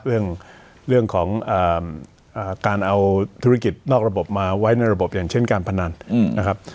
เรื่องของการเอาธุรกิจนอกระบบมาไว้ในระบบอย่างเช่นการพนันนะครับ